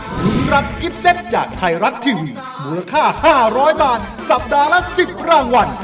คุณรับกิฟเซตจากไทยรัฐทีวีมูลค่า๕๐๐บาทสัปดาห์ละ๑๐รางวัล